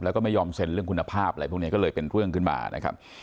แล้วก็ไม่ยอมเซ็นเรื่องคุณภาพอะไรพวกนี้ก็เลยเป็นเรื่องขึ้นมานะครับ